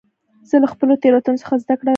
زه له خپلو تېروتنو څخه زدهکړه کوم.